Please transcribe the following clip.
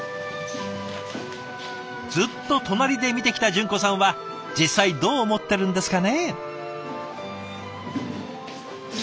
ずっと隣で見てきた純子さんは実際どう思ってるんですかね？